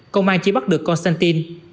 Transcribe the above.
công an chỉ bắt được konstantin